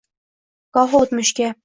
gohi oʼtmishga